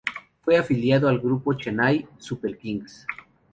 Fue afiliado al grupo Chennai Super Kings.